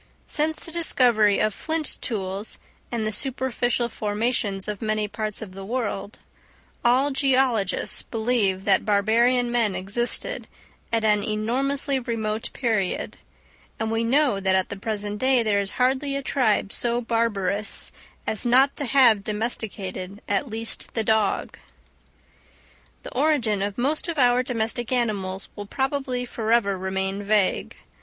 Since the discovery of flint tools in the superficial formations of many parts of the world, all geologists believe that barbarian men existed at an enormously remote period; and we know that at the present day there is hardly a tribe so barbarous as not to have domesticated at least the dog. The origin of most of our domestic animals will probably forever remain vague.